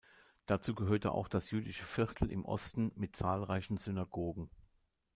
Dazu gehörte auch das jüdische Viertel im Osten mit zahlreichen Synagogen.